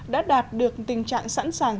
đã đạt được tình trạng sẵn sàng